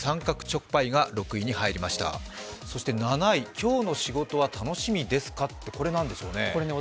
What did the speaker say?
「今日の仕事は楽しみですか」って何でしょうね。